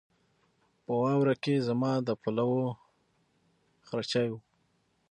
په واوره کې زما د پلوو غرچی و